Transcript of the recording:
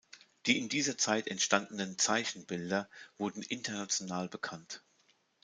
Die in dieser Zeit entstandenen „Zeichen“-Bilder wurden international bekannt.